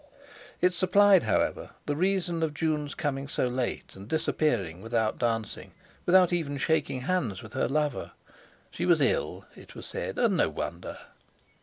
It supplied, however, the reason of Jun's coming so late and disappearing again without dancing, without even shaking hands with her lover. She was ill, it was said, and no wonder.